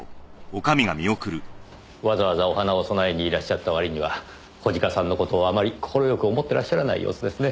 わざわざお花を供えにいらっしゃった割には小鹿さんの事をあまり快く思ってらっしゃらない様子ですね。